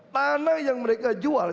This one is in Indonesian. tanah yang mereka jual